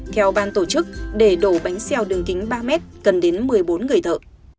theo ban tổ chức để đổ bánh xèo đường kính ba m cần đến một mươi bốn người thợ